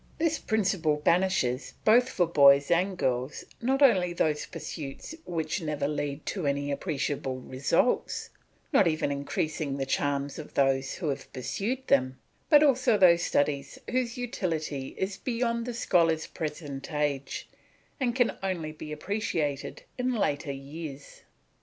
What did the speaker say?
This principle banishes, both for boys and girls, not only those pursuits which never lead to any appreciable results, not even increasing the charms of those who have pursued them, but also those studies whose utility is beyond the scholar's present age and can only be appreciated in later years.